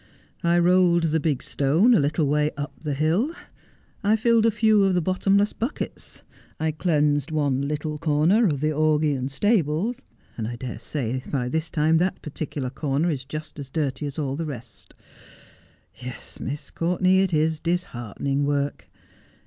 I rolled the big stone a little way up the hill. I filled a few of the bottomless buckets. I cleansed one little corner of the Augean stable, and I dare say by this time that particular corner is just as dirty as all the rest. Yes, Miss Courtenay, it is disheartening work.